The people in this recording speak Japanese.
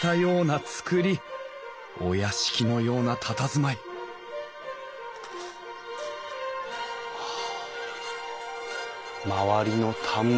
お屋敷のようなたたずまいはあ周りの田んぼに立派な建物。